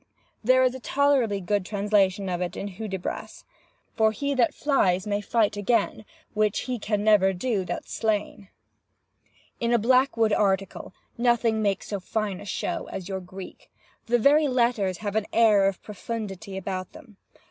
] There is a tolerably good translation of it in Hudibras— 'For he that flies may fight again, Which he can never do that's slain.' In a Blackwood article nothing makes so fine a show as your Greek. The very letters have an air of profundity about them.